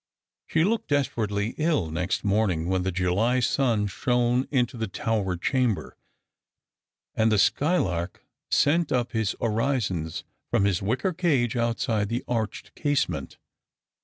She looked desperately ill next morning when the July sun ehone into the tower chamber, and the skylark sent up his orisons from his wicker cage outside the arched casement.